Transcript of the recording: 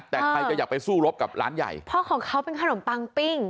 แต่ใครจะอยากไปสู้รบกับร้านใหญ่เพราะของเขาเป็นขนมปังปิ้ง